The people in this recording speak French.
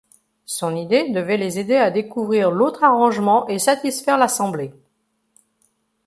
Son idée devait les aider à découvrir l'autre arrangement et satisfaire l'assemblée.